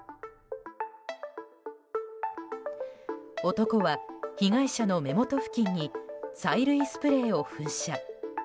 男は、被害者の目元付近に催涙スプレーを噴射。